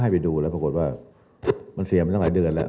ไปดูแล้วปรากฏว่ามันเสียมาตั้งหลายเดือนแล้ว